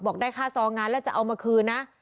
ได้ค่าซองงานแล้วจะเอามาคืนนะ